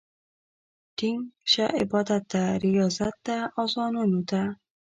ټينګ شه عبادت ته، رياضت ته، اذانونو ته